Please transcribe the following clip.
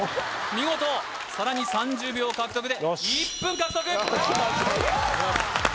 見事さらに３０秒獲得でよしっ１分獲得！